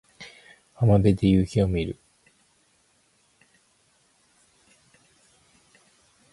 浜辺で夕陽を見る